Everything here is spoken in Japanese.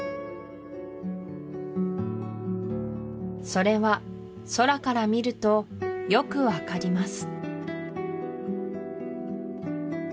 それは空から見るとよくわかります